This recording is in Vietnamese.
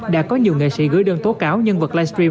đã có nhiều nghệ sĩ gửi đơn tố cáo nhân vật livestream